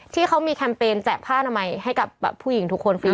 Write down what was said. ที่เขามีแคมเปญแจกผ้าอนามัยให้กับผู้หญิงทุกคนฟรี